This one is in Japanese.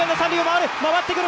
回ってくる！